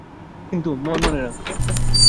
কিন্তু মন মানে না।